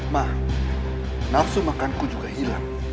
mah nafsu makan ku juga hilang